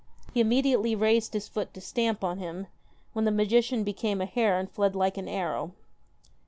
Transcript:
He immediately raised his foot to stamp on him, when the magician became a hare and fled like an arrow.